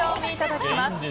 いただきます。